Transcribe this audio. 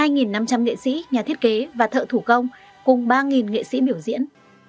hai năm trăm linh nghệ sĩ nhà thiết kế và thợ thủ công cùng ba nghệ sĩ biểu diễn